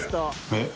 えっ？